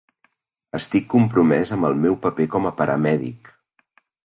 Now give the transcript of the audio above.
Estic compromès amb el meu paper com a paramèdic.